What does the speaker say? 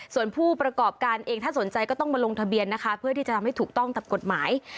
ส่วนผู้ประกอบการเองถ้าสนใจก็ต้องมาลงทะเบียนนะคะเพื่อที่จะทำให้ถูกต้องตามกฎหมาย